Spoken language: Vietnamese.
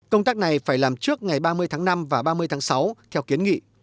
công tác này phải làm trước ngày ba mươi tháng năm và ba mươi tháng sáu theo kiến nghị